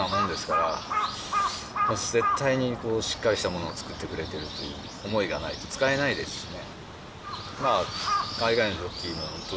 絶対にしっかりしたものを作ってくれてるっていう思いがないと使えないですよね。